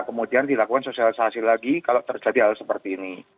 kemudian dilakukan sosialisasi lagi kalau terjadi hal seperti ini